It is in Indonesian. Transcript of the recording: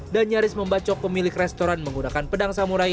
dan nyaris membacok pemilik restoran menggunakan pedang samurai